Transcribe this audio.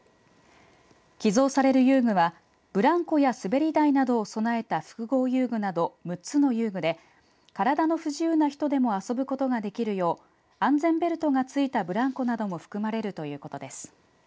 寄贈される遊具はブランコや滑り台などを備えた複合遊具など６つの遊具で体の不自由な人でも遊ぶことができるよう安全ベルトが付いたブランコなども含まれるということです。